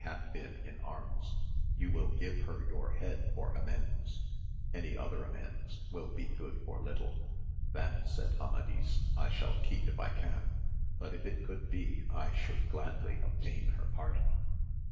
always hath been in arms, you will give her your head for amends ; any other amends will be good for little. That, said Ama(Hs, I shall keep if I can; but if it could be I should gladly obtain her pardon.